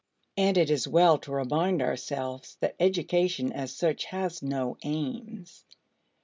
And it is well to remind ourselves that education as such has no aims.